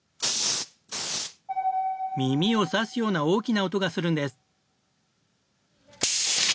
耳を刺すような大きな音がするんです。